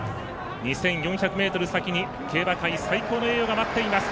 ２４００ｍ先に競馬界最高の栄誉が待っています。